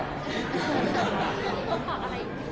บอกอะไร